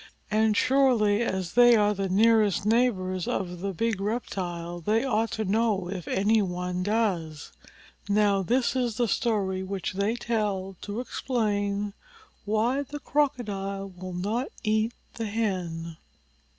And surely, as they are the nearest neighbors of the big reptile they ought to know if any one does. Now this is the story which they tell to explain why the Crocodile will not eat the Hen.